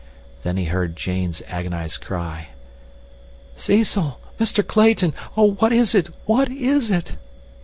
Then he heard Jane's agonized cry: "Cecil—Mr. Clayton! Oh, what is it? What is it?"